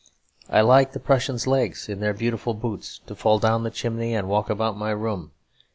I like the Prussian's legs (in their beautiful boots) to fall down the chimney and walk about my room.